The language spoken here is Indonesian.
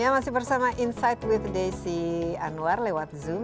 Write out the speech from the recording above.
masih bersama insight with desi anwar lewat zoom